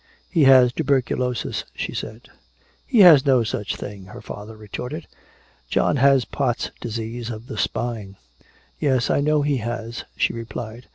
"He has tuberculosis," she said. "He has no such thing!" her father retorted. "John has Pott's Disease of the spine!" "Yes, I know he has," she replied.